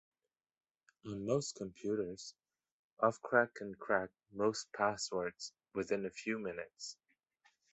On most computers, ophcrack can crack most passwords within a few minutes.